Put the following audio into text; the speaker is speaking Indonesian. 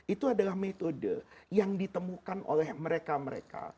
itu adalah metode yang ditemukan oleh mereka mereka